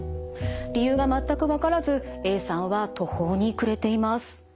理由が全く分からずＡさんは途方に暮れています。